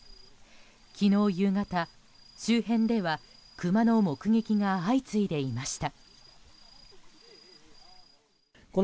昨日夕方、周辺ではクマの目撃が相次いでいました。